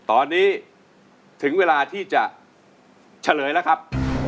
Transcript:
ตอนนี้ถึงเวลาที่จะเฉลยแล้วครับ